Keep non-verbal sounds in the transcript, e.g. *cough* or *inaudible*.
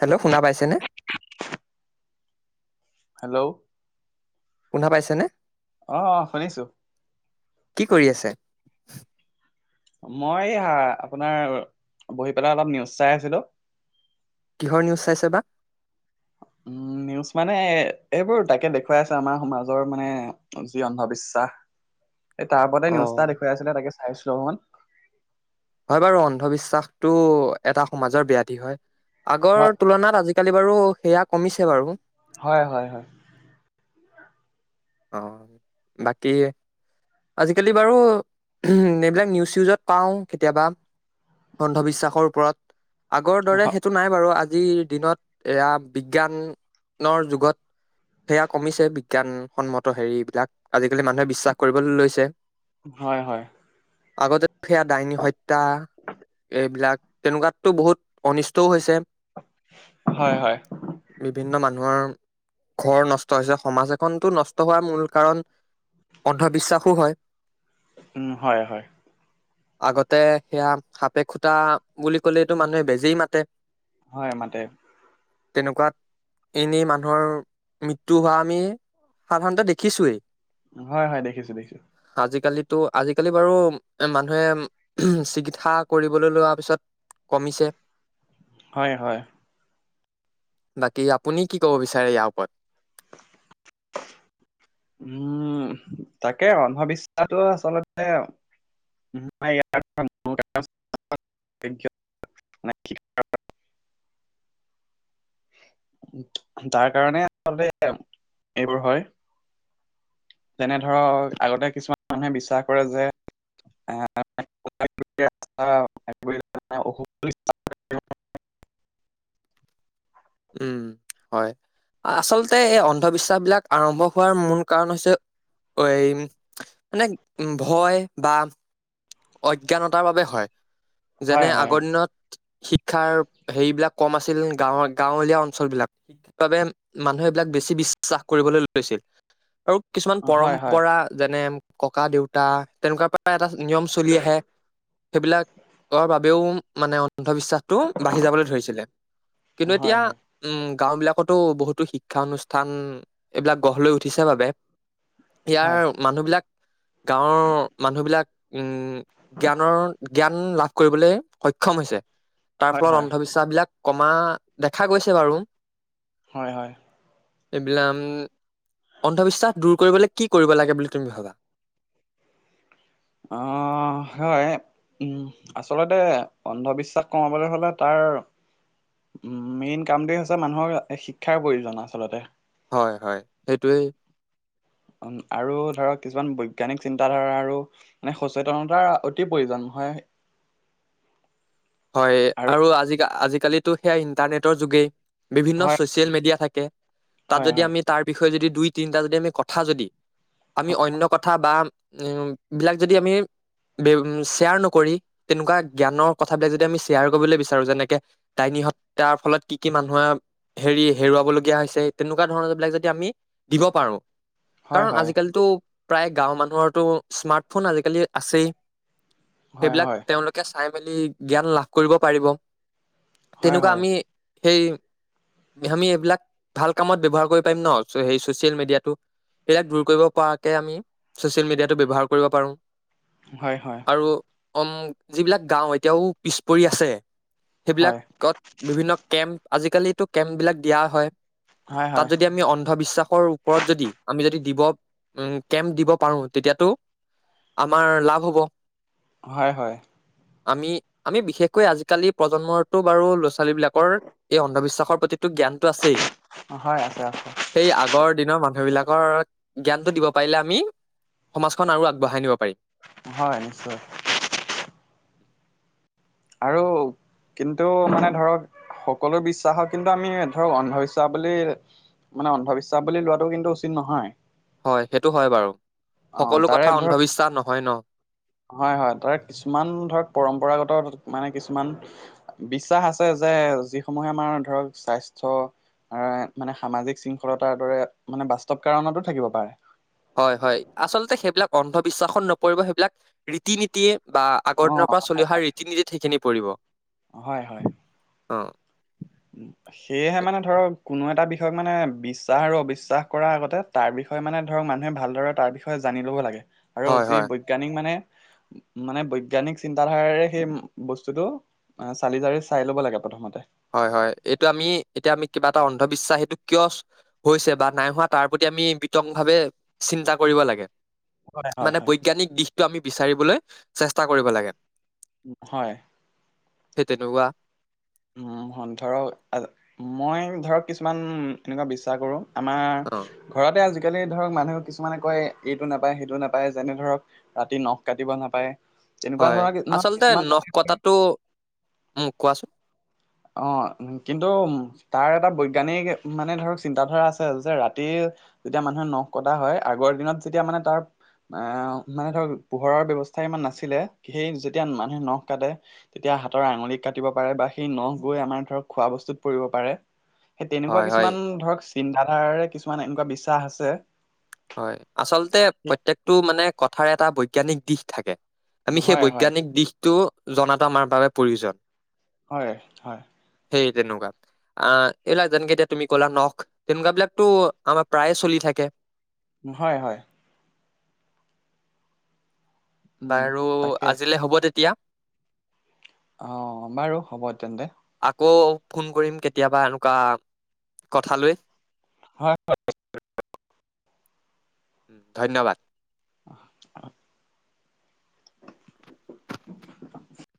Hello শুনা পাইছেনে? Hello? শুনা পাইছে নে? অ', অ', শুনিছো। কি কৰি আছে? মই এইয়া আপোনাৰ বহি পেলাই অলপ নিউজ চাই আছিলো। কিহৰ নিউজ চাইছে বা? উম *inaudible* নিউজ মানে এইবোৰ তাকে দেখুৱাই আছে আমাৰ সমাজৰ মানে যি অন্ধবিশ্বাস। *inaudible* এই তাৰ ওপতে নিউজটা অ', দেখুৱাই আছিলে তাকে চাইছিলোঁ অকমান। হয় বাৰু অন্ধবিশ্বাসতটো এটা সমাজৰ ব্যাধি হয় হয় আগৰ তুলনাত আজি কালি বাৰু সেয়া কমিছে বাৰু। হয় হয় হয়। অ', বাকী আজিকালি বাৰু এইবিলাক নিউজ চিউজত পাওঁ কেতিয়াবা। অন্ধবিশ্বাসৰ ওপৰত আগৰ হ- দৰে টো নাই বাৰু আজিৰ দিনত এয়া বিজ্ঞানৰ যুগত সেয়া কমিছে বিজ্ঞানসন্মত হেৰি বিলাক আজিকালি মানুহে বিশ্বাস কৰিবলৈ লৈছে। হয় হয়। আগতে সেয়া ডাইনী হত্যা। এইবিলাক তেনেকুৱাতটো বহুত অনিষ্টও হৈছে। হয় হয়। বিভিন্ন মানুহৰ ঘৰ নষ্ট হৈছে সমাজ এখনতো নষ্ট হোৱাৰ মূল কাৰণ অন্ধবিশ্বাসো হয়। হয় হয়। *inaudible* আগতে সেয়া সাপে খুটা বুলি কলেতো মানুহে বেজেই মাতে। হয় মাতে। তেনেকুৱাত এনেই মানুহৰ মৃত্যু হোৱা আমি সাধাৰণতে দেখিছয়েই। হয় হয় দেখিছো দেখিছো। আজিকালিতো আজিকালি বাৰু এ মানুহে চিকিৎসা কৰিবলৈ লোৱা পিছত কমিছে। হয়, হয়। বাকী আপুনি কি ক'ব বিচাৰে ইয়াৰ ওপৰত? উম তাকে, অন্ধবিশ্বাসটো আচলতে *unintelligible* তাৰ কাৰণে আচলতে এইবোৰ হয়। যেনে ধৰক, আগতে কিছুমান মানুহে বিশ্বাস কৰে যে এ *unintelligible* উম হয়, আচলতে তে এই অন্ধবিশ্বাস বিলাক আৰম্ভ হোৱাৰ মূল কাৰণ হৈছে, এই মানে ভয়, বা অজ্ঞানতাৰ বাবে হয়। যেনে, হয় হয় হয় আগৰ দিনত শিক্ষাৰ হেৰিবিলাক কম আছিল, গাঁৱত গাঁৱলীয়া অঞ্চল বিলাক *unintelligible* বাবে মানুহে এইবিলাক বেছি বিশ্বাস কৰিবলৈ লৈছিল। আৰু কিছুমান হয় হয় হয় পৰম্পৰা যেনে ককা-দেউতা, তেনেকুৱাৰ পৰা এটা নিয়ম চলি আহে। সেইবিলাকৰ বাবেও মানে অন্ধবিশ্বাসটো বাঢ়ি যাবলৈ ধৰিছিলে। কিন্তু হয় এতিয়া, উম গাওঁ বিলাকতো বহুতো শিক্ষা অনুষ্ঠান, এইবিলাক গঢ় লৈ উঠিছে বাবে হয় ইয়াৰ মানুহবিলাক, গাঁৱৰ মানুহবিলাক, উম জ্ঞানৰ জ্ঞান লাভ কৰিবলৈ সক্ষম হৈছে। তাৰ ফলত হয় অন্ধবিশ্বাস বিলাক কমা দেখা গৈছে বাৰু। হয়, হয়। এইবিলাক উম, অন্ধবিশ্বাস দূৰ কৰিবলৈ কি কৰিব লাগে বুলি তুমি ভাবা? অ, হয় উম আচলতে, অন্ধবিশ্বাস কমাবলৈ হ'লে তাৰ উম মেইন কামটোৱে হৈছে, মানুহৰ শিক্ষাৰ প্ৰয়োজন আচলতে। হয়, হয়, সেইটোৱেই। আৰু ধৰক কিছুমান বৈজ্ঞানিক চিন্তাধাৰা আৰু মানে সচেতনতাৰ অতি প্ৰয়োজন হয়। হয়, আৰু আজিক আজিকালিতো সেয়া ইন্টাৰনেটৰ যুগেই। বিভিন্ন হয় ছচিয়েল মিডিয়া থাকে। তাত হয় যদি হয় আমি তাৰ বিষয়ে যদি দুই তিনিটা যদি আমি কথা যদি, আমি অন্য কথা বা উম বিলাক যদি আমি শ্বেয়াৰ নকৰি, তেনেকুৱা জ্ঞানৰ কথ থাবিলাক যদি আমি শ্বেয়াৰ কৰিবলৈ বিচাৰো, যেনেকে দাইনী হত্যাৰ ফলত কি কি মানুহে হেৰি হেৰুৱাব লগীয়া হৈছে, তেনেকুৱা ধৰণৰ বিলাক যদি আমি দিব পাৰো হয় কাৰণ, হয় আজিকালিতো প্ৰায় গাঁওঁৰ মানুহৰটো, স্মাৰ্টফোন আজিকালি আছেই। হয় সেইবিলাক হয় তেওঁলোকে চাই মেলি জ্ঞান লাভ কৰিব পাৰিব। হয় হয় তেনেকুৱা আমি সেই আমি এইবিলাক ভাল কামত ব্যৱহাৰ কৰিব পাৰিম ন'! সেই চচিয়েল মিডিয়াটো এইবিলাক দূৰ কৰিব পৰাকে আমি - ছচিয়েল মিডিয়াটো ব্যৱহাৰ কৰিব পাৰোঁ। হয়, হয়। আৰু উম যিবিলাক গাও এতিয়াও পিছ পৰি আছে, সেইবিলাক হয় কত বিভিন্ন কেম্প, আজিকালি টো কেম্প বিলাক দিয়া হয়। হয় তাত হয় যদি আমি অন্ধবিশ্বাসৰ, ওপৰত যদি আমি যদি দিব উম কেম্প দিব পাৰো, তেতিয়াতো, আমাৰ লাভ হ'ব। হয়, হয়। আমি, আমি বিশেষকৈ আজিকালি প্ৰজন্মৰতো বাৰু ল'ৰা ছোৱালী বিলাকৰ, এই অন্ধবিশ্বাসৰ প্ৰতিটো জ্ঞান টো আছেই। হয় আছে আছে সেই আগৰ দিনৰ মানুহ বিলাকৰ, জ্ঞানটো দিব পাৰিলে আমি সমাজখন আৰু আগবঢ়াই নিব পাৰি। হয় নিশ্চয়। আৰু কিন্তু মানে ধৰক সকলো বিশ্বাসক কিন্তু আমি ধৰক অন্ধবিশ্বাস বুলি মানে অন্ধবিশ্বাস বুলি লোৱাটো কিন্তু উচিত নহয়। হয় সেইটো হয় বাৰু অ সকলো তাৰে কথা ধৰক অন্ধবিশ্বাস নহয় ন। হয় হয় তাৰ কিছুমান ধৰক পৰম্পৰাগত মানে কিছুমান বিশ্বাস আছে যে যিসমূহে আমাৰ ধৰক স্বাস্থ্য মানে সামাজিক শৃংখলতাৰ দৰে মানে বাস্তৱ কাৰণতো থাকিব পাৰে। হয় হয় আচলতে সেইবিলাক অন্ধবিশ্বাসত নপৰিব সেইবিলাক ৰীতি নীতিয়ে বা আগৰ অ দিনৰ পৰা চলি অহা ৰীতি নীতিত সেইখিনি পৰিব। হয় হয়। অ *inaudible* সেয়েহে এত- মানে ধৰক কোনো এটা বিষয়ত মানে বিশ্বাস আৰু অবিশ্বাস কৰাৰ আগতে তাৰ বিষয়ে মানে ধৰক মানুহে ভালদৰে তাৰ বিষয়ে জানি ল'ব লাগে। আৰু হয় যি হয় বৈজ্ঞানিক মানে মানে বৈজ্ঞানিক চিন্তাধাৰাৰে সেই বস্তুটো অ', চালি জাৰি চাই ল'ব লাগে প্ৰথমতে। হয় হয় এইটো আমি এতিয়া আমি কিবা এটা অন্ধবিশ্বাস সেইটো কিয় হৈছে বা নাই হোৱা তাৰ প্ৰতি আমি বিতং ভাৱে চিন্তা কৰিব লাগে। হয়। হয় মানে হয় বৈজ্ঞানিক দিশটো আমি বিচাৰিবলৈ চেষ্টা কৰিব লাগে। হয়। *unintelligible* ধৰক মই ধৰক কিছুমান এনেকুৱা বিশ্বাস কৰোঁ অ আমাৰ ঘৰতে আজিকালি ধৰক মানুহে কিছুমানে কয় এইটো নাপায় সেইটো নাপায় যেনে ধৰক ৰাতি নখ কাটিব নাপায়। তেনেকুৱা হয় ধৰণৰ কি- ন- আচলতে কিছুমান নখ কটাটো মোক কোৱাচোন। অ', কিন্তু তাৰ এটা বৈজ্ঞানিক মানে ধৰক চিন্তাধাৰা আছে যে ৰাতি যেতিয়া মানুহে নখ কটা হয় আগৰ দিনত যেতিয়া মানে তাৰ আহ মানে ধৰক পোহৰৰ ব্যৱস্থা ইমান নাছিলে সেই যেতিয়া মানুহে নখ কাটে তেতিয়া হাতৰ আঙুলিত কাটিব পাৰে বা সেই নখ গৈ আমাৰ ধৰ খোৱা বস্তুত পৰিব পাৰে সেই হয় তেনেকুৱা হয় কিছুমান ধৰক চিন্তাধাৰাৰে কিছুমান এনেকুৱা বিশ্বাস আছে। হয় আচলতে প্ৰত্যয়কটো মানে কথাৰ এটা বৈজ্ঞানিক দিশ থাকে। আমি সেই হয় হয় বৈজ্ঞানিক দিশটো জনাতো আমাৰ বাবে প্ৰয়োজন। হয় হয়। সেই তেনেকুৱা। আহ এইবিলাক যেনেকে এতিয়া তুমি ক'লা নখ তেনেকুৱা বিলাকতো আমাৰ প্ৰায়ে চলি থাকে। হয় হয়। উম বাৰু তাকে আজিলৈ হ'ব তেতিয়া। অ', বাৰু হ'ব তেন্তে। আকৌ ফোন কৰিম কেতিয়াবা এনেকুৱা কথা লৈ। হয়। ধন্যবাদ। আহ। *inaudible*